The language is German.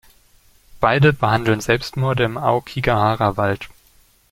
Beide behandeln Selbstmorde im Aokigahara-Wald.